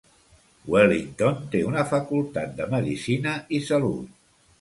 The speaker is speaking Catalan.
Wellington té una facultat de medicina i salut.